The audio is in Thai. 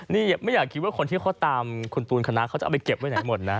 นี่ไม่อยากคิดว่าคนที่เขาตามคุณตูนคณะเขาจะเอาไปเก็บไว้ไหนหมดนะ